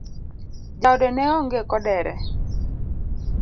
Jaode neonge kodere?